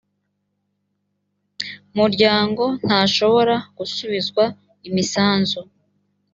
muryango ntashobora gusubizwa imisanzu